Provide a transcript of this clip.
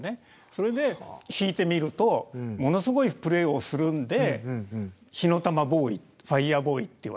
それで弾いてみるとものすごいプレーをするんで火の玉ボーイファイヤーボーイっていわれてた。